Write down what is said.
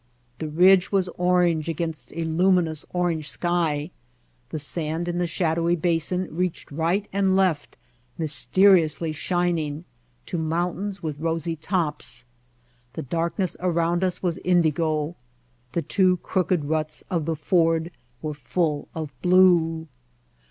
The ridge was orange against a luminous orange sky, the sand in the shadowy basin reached right and left, mysteriously shining, to mountains with rosy tops. The darkness around us was indigo, the two crooked ruts of the Ford were full of blue.